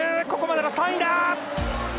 ここまでの３位だ！